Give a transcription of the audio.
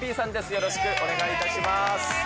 よろしくお願いします。